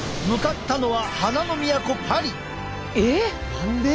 何で？